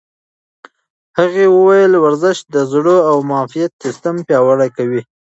هغې وویل ورزش د زړه او معافیت سیستم پیاوړتیا کوي.